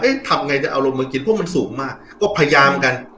ทำไงจะเอาลงมากินเพราะมันสูงมากก็พยายามกัน